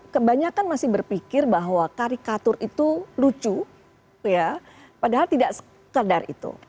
kebanyakan masih berpikir bahwa karikatur itu lucu ya padahal tidak sekedar itu